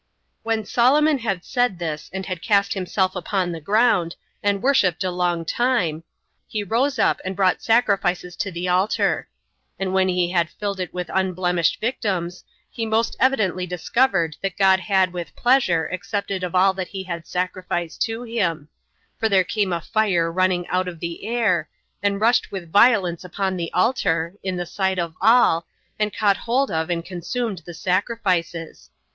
4. When Solomon had said this, and had cast himself upon the ground, and worshipped a long time, he rose up, and brought sacrifices to the altar; and when he had filled it with unblemished victims, he most evidently discovered that God had with pleasure accepted of all that he had sacrificed to him, for there came a fire running out of the air, and rushed with violence upon the altar, in the sight of all, and caught hold of and consumed the sacrifices.